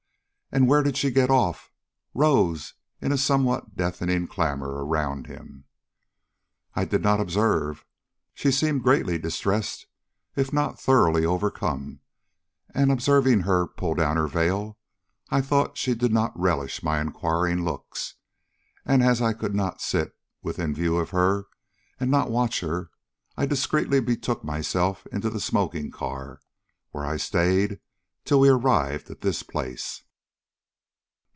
and "Where did she get off?" rose in a somewhat deafening clamor around him. "I did not observe. She seemed greatly distressed, if not thoroughly overcome, and observing her pull down her veil, I thought she did not relish my inquiring looks, and as I could not sit within view of her and not watch her, I discreetly betook myself into the smoking car, where I stayed till we arrived at this place."